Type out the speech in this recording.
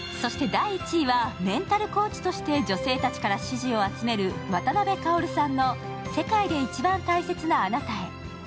メンタルコーチとして女性たちから支持を集めるワタナベ薫さんの「世界で一番大切なあなたへ」。